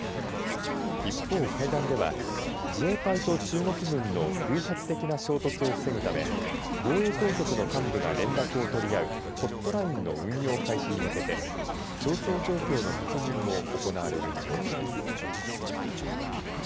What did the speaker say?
一方、会談では自衛隊と中国軍の偶発的な衝突を防ぐため防衛当局の幹部が連絡を取り合うホットラインの運用開始に向けて調整状況の確認も行われる見通しです。